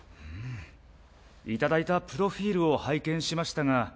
うんいただいたプロフィールを拝見しましたが。